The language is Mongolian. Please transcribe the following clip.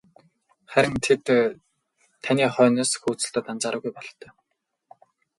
Харин тэд таны хойноос хөөцөлдөөд анзаараагүй бололтой.